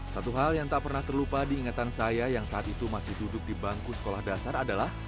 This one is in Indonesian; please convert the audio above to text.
satu hal yang tak pernah terlupa diingatan saya yang saat itu masih duduk di bangku sekolah dasar adalah